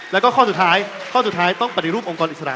แล้วก็ข้อสุดท้ายข้อสุดท้ายต้องปฏิรูปองค์กรอิสระ